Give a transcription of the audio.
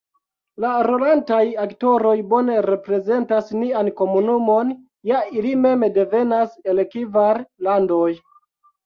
La rolantaj aktoroj bone reprezentas nian komunumon, ja ili mem devenas el kvar landoj.